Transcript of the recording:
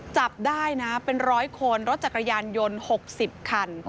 จับได้นะเป็น๑๐๐คนรถจักรยานยนต์๖๐คัน